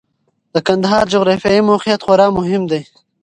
د کندهار جغرافیايي موقعیت خورا مهم دی.